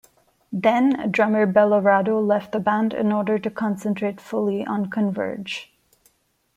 Then drummer Bellorado left the band in order to concentrate fully on Converge.